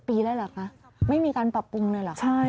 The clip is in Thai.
๒๗ปีแล้วล่ะคะไม่มีการปรับปรุงเลยล่ะ